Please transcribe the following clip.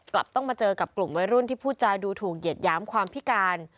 ต้องมาเจอกับกลุ่มวัยรุ่นที่พูดจาดูถูกเหยียดหยามความพิการ